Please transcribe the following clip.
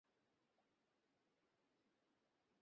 এত ছোট গাছে কুল হয়?